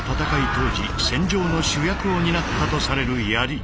当時戦場の主役を担ったとされる槍。